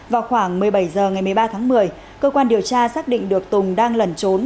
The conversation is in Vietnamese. vào khoảng một mươi bảy h ngày một mươi ba tháng một mươi cơ quan điều tra xác định được tùng đang lẩn trốn